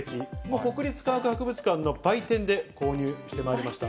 国立科学博物館の売店で購入してまいりました。